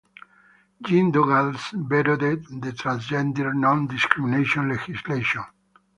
Jim Douglas vetoed the Transgender Non-discrimination legislation.